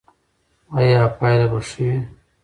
ایا پایله به ښه وي؟